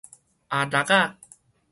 阿六仔